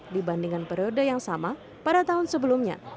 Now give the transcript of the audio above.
dibandingkan periode yang sama pada tahun sebelumnya